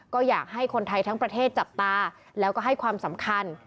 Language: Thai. ก็อยากให้คนไทยทั้งประเทศจับตาแล้วก็ให้ความสำคัญ